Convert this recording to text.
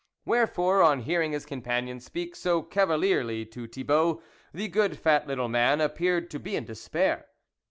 Wherefore, on hearing his companion speak so cava lierly to Thibault, the good fat little man appeared to be in despair.